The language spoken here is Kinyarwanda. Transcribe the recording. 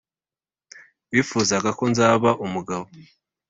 wifuzaga ko nzaba umugabo